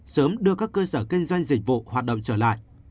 sớm đưa các cơ sở kinh doanh dịch vụ hoạt động trở lại